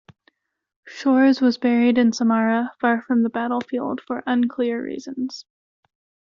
Shchors was buried in Samara, far from the battlefield, for unclear reasons.